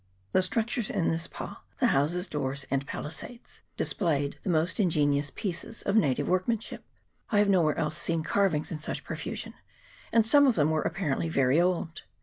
The structures in this pa the houses, doors, and palisades displayed the most ingenious pieces of native workmanship. I have nowhere else seen carvings in such profusion, and some of them were apparently very old.